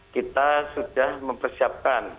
kita sudah mempersiapkan